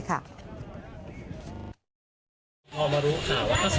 พอมารู้ค่ะว่าเขาสมบัติเป็นคนดินตรี